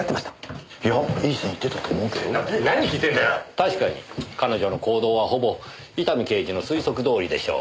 確かに彼女の行動はほぼ伊丹刑事の推測どおりでしょう。